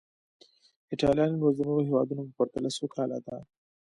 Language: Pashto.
ایټالیا نن ورځ د نورو هېوادونو په پرتله سوکاله ده.